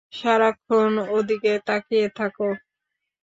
সারাক্ষণ ওদিকে তাকিয়ে থাকো।